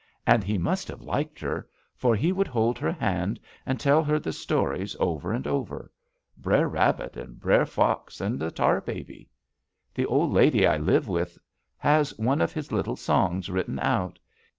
And he must have liked her, for he would hold her hand and tell her the stories over and over: Br'er Rabbit and Br'er Fox and the Tar Baby. The old lady I live with has one of his little songs written out.